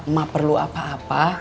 mak perlu apa apa